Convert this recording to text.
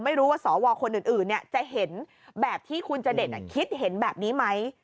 ไม่รู้ว่าสวคนอื่นจะเห็นแบบที่คุณจเดชคิดเห็นแบบนี้ไหม